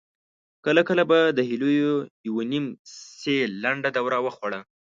کله کله به د هيليو يوه نيم سېل لنډه دوره وخوړه.